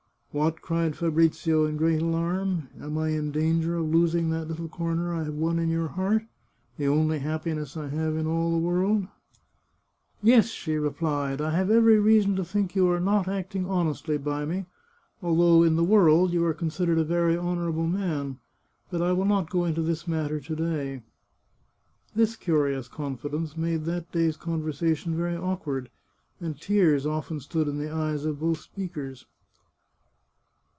" What !" cried Fabrizio in great alarm, " am I in danger of losing that little corner I have won in your heart, the only happiness I have in all the world ?"" Yes," she replied. " I have every reason to think you 355 The Chartreuse of Parma are not acting honestly by me, although in the world you are considered a very honourable man. But I will not go into this matter to day." This curious confidence made that day's conversation very awkward, and tears often stood in the eyes of both speakers.